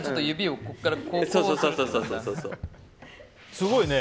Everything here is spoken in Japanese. すごいね！